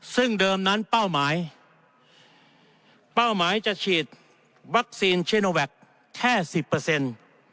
ซึ่งเดิมนั้นเป้าหมายเป้าหมายจะฉีดวัคซีนเชโนแวคแค่สิบเปอร์เซ็นต์